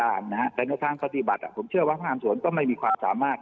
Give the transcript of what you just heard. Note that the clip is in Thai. อันในทางสติบัตรอะผมเชื่อว่าพระอาหารสวนก็ไม่มีความสามารถ